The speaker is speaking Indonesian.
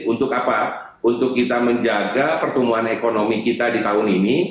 untuk apa untuk kita menjaga pertumbuhan ekonomi kita di tahun ini